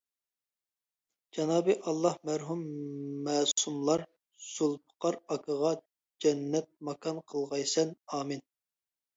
جانابى ئاللا مەرھۇم مەسۇملار زۇلپىقار ئاكىغا جەننەت ماكان قىلغايسەن، ئامىن!